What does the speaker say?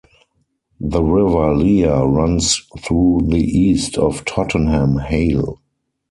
The River Lea runs through the east of Tottenham Hale.